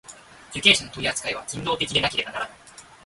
受刑者の取扱いは人道的でなければならない。